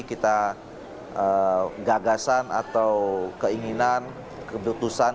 kita gagasan atau keinginan keputusan